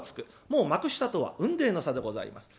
もう幕下とは「雲泥の差」でございます。